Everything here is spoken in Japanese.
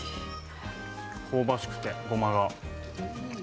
香ばしくて、ごまが。